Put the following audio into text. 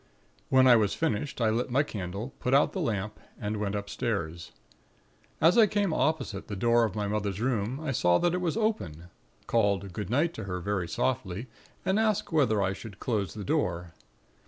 "When I was finished, I lit my candle, put out the lamp, and went upstairs. As I came opposite the door of my mother's room, I saw that it was open, called good night to her, very softly, and asked whether I should close the door.